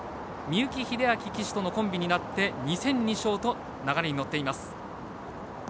幸英明騎手とのコンビとなって２戦２勝と流れに乗っています。